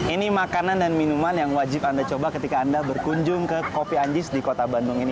ini makanan dan minuman yang wajib anda coba ketika anda berkunjung ke kopi anjis di kota bandung ini